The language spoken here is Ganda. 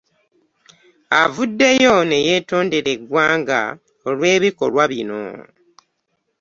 Avuddeyi ne yeetondera eggwanga olw'ebikolwa bino